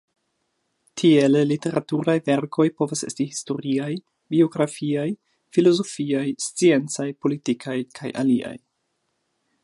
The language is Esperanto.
Tiele literaturaj verkoj povas esti historiaj, biografiaj, filozofiaj, sciencaj, politikaj, kaj aliaj.